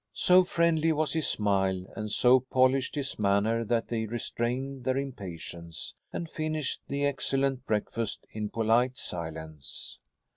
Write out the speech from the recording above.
So friendly was his smile and so polished his manner that they restrained their impatience and finished the excellent breakfast in polite silence.